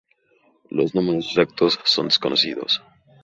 Los números exactos son desconocidos.